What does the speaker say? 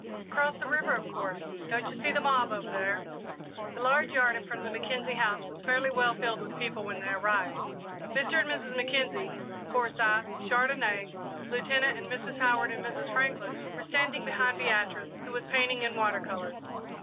"Across the river, of course; don't you see the mob over there?" The large yard in front of the Mackenzie house was fairly well filled with people when they arrived. Mr. and Mrs. Mackenzie, Forsyth, Chandonnais, Lieutenant and Mrs. Howard, and Mrs. Franklin were standing behind Beatrice, who was painting in water colours.